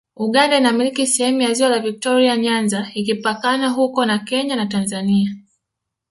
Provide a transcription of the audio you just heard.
Uganda inamiliki sehemu ya ziwa la Viktoria Nyanza ikipakana huko na Kenya na Tanzania